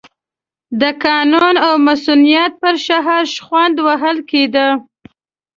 د قانون او مصونیت پر شعار شخوند وهل کېده.